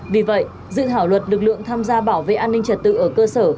vì vậy dự thảo luật lực lượng tham gia bảo vệ an ninh trật tự ở cơ sở